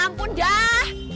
yah ampun dah